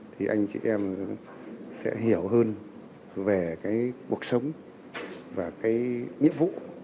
thì anh chị em sẽ hiểu hơn về cuộc sống và nhiệm vụ